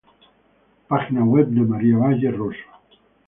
Página web de Marisa Valle Roso